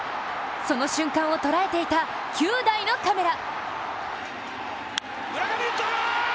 その瞬間を捉えていた９台のカメラ。